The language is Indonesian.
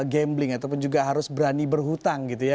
gambling ataupun juga harus berani berhutang gitu ya